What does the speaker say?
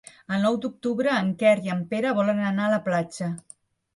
El nou d'octubre en Quer i en Pere volen anar a la platja.